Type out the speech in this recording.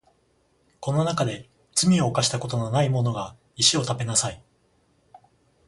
この中で罪を犯したことのないものが石を食べなさい